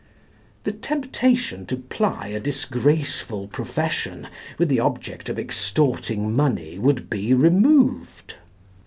The temptation to ply a disgraceful profession with the object of extorting money would be removed.